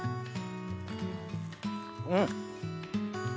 うん！